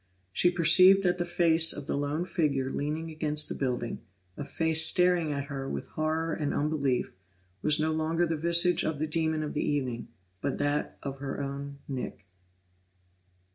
She perceived that the face of the lone figure leaning against the building, a face staring at her with horror and unbelief, was no longer the visage of the demon of the evening, but that of her own Nick.